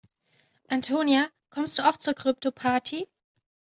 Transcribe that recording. Antonia, kommst du auch zur Kryptoparty?